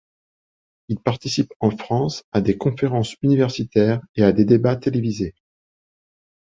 Il participe en France à des conférences universitaires et à des débats télévisés.